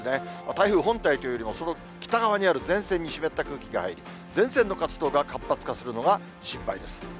台風本体というよりも、その北側にある前線に湿った空気が入り、前線の活動が活発化するのが心配です。